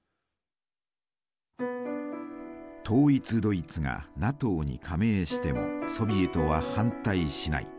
統一ドイツがＮＡＴＯに加盟してもソビエトは反対しない。